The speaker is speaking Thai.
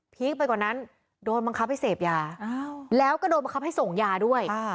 คไปกว่านั้นโดนบังคับให้เสพยาแล้วก็โดนบังคับให้ส่งยาด้วย